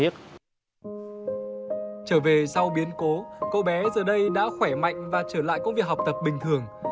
các bé giờ đây đã khỏe mạnh và trở lại công việc học tập bình thường